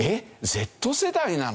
Ｚ世代なの！